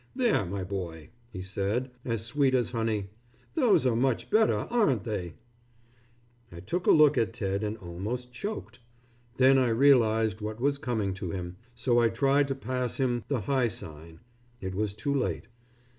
"There my boy," he said, as sweet as honey. "Those are much better, aren't they!" I took a look at Ted and almost choked. Then I realized what was coming to him, so I tried to pass him the high sign. It was too late.